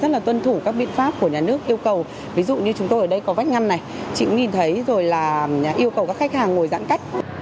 rất là tuân thủ các biện pháp của nhà nước yêu cầu ví dụ như chúng tôi ở đây có vách ngăn này chị cũng nhìn thấy rồi là yêu cầu các khách hàng ngồi giãn cách